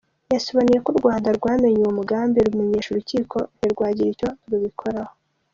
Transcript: Yasobanuye ko u Rwanda rwamenye uwo mugambi rumenyesha urukiko ntirwagira icyo rukora.